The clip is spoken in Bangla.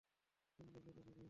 সম্মান দিতে শেখো।